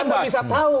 oh anda bisa tahu